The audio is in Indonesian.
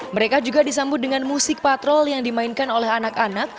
mereka juga disambut dengan musik patrol yang dimainkan oleh anak anak